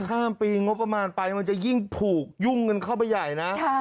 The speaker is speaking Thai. ข้ามปีงบประมาณไปมันจะยิ่งผูกยุ่งกันเข้าไปใหญ่นะ